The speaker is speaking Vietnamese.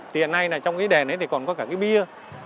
tuyện nay là trong cái đèn ấy thì còn có cả cái bia